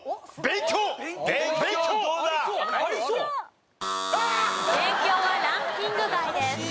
勉強はランキング外です。